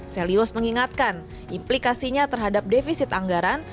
selius mengingatkan implikasinya terhadap defisit anggaran